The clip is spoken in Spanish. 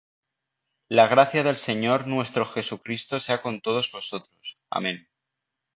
La gracia del Señor nuestro Jesucristo sea con todos vosotros. Amén.